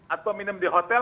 atau minum di hotel